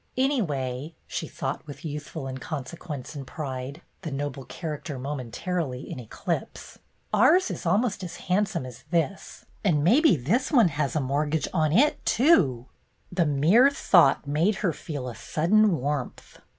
"Anyway," she thought, with youthful in consequence and pride, the Noble Character momentarily in eclipse, "ours is almost as handsome as this. And maybe this one has a mortgage on it, too !" The mere thought made her feel a sudden warmth.